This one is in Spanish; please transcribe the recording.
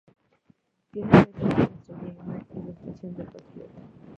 Tiene a veces una estrella y una ilustración de Patriota.